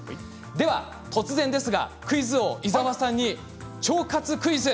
では突然ですがクイズ王の伊沢さんに腸活クイズ。